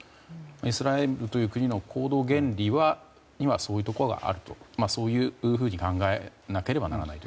イスラエルという国の行動原理は今そういうところがあるとそういうふうに考えなければならないと。